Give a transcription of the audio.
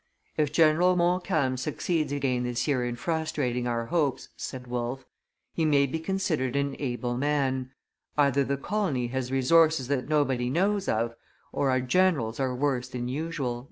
"If General Montcalm succeeds again this year in frustrating our hopes," said Wolfe, "he may be considered an able man; either the colony has resources that nobody knows of, or our generals are worse than usual."